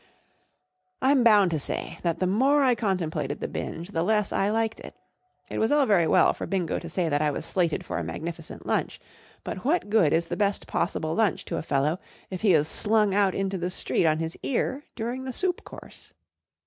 I 'M bound to say that the more I contem¬ plated the binge, the less I liked it. It was all very well for Bingo to say that I was slated for a magnificent lunch; but what good is the best possible lunch to a fellow if he is slung out into the street on his ear during the soup course